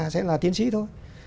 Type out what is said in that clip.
sẽ là tiến sĩ thôi